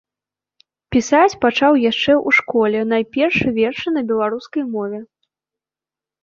Пісаць пачаў яшчэ ў школе, найперш вершы на беларускай мове.